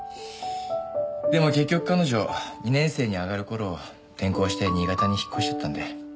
でも結局彼女２年生に上がる頃転校して新潟に引っ越しちゃったんで。